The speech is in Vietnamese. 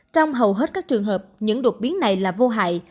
trong hầu hết các trường hợp những đột biến này là vô hại